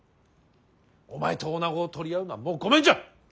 お前と女子を取り合うのはもうごめんじゃ。